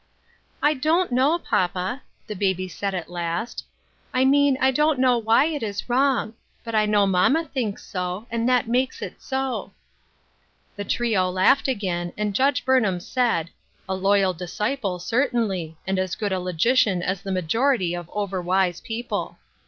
"I don't know, papa," the baby said at last. "I mean I don't know why it is wrong ; but I know mamma thinks so, and that makes it so." The trio laughed again, and Judge Burnham said, " A loyal disciple certainly ; and as good a logician as the majority of overwise people."